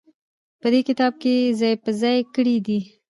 په دې کتاب کې يې ځاى په ځاى کړي دي.